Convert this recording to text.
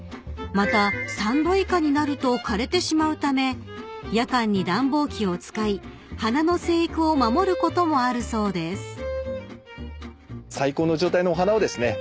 ［また３℃以下になると枯れてしまうため夜間に暖房機を使い花の生育を守ることもあるそうです］